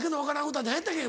歌何やったっけ